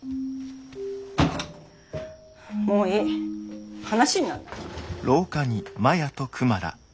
もういい話になんない。